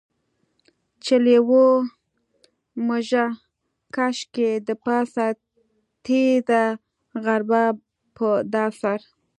چې لېوه مږه کش کي دپاسه تيږه غربا په دا سر.